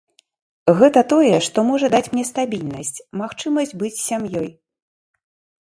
Гэта тое, што можа даць мне стабільнасць, магчымасць быць з сям'ёй.